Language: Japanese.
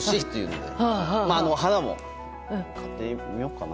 花も買ってみようかな。